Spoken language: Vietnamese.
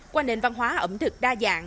qua nền văn hóa ẩm thực đa dạng